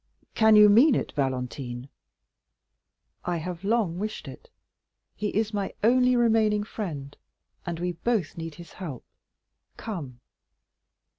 "Can you mean it, Valentine?" "I have long wished it; he is my only remaining friend and we both need his help,—come."